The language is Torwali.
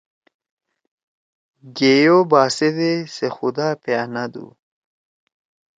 گیئی او باسیدے سے خُدا پیِانَدُو